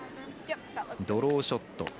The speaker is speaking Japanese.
ドローショット。